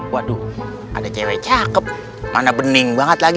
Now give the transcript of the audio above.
waduh ada cewek cakep mana bening banget lagi